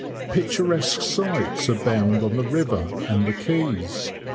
Picturesque sights abound on the river, and the quays.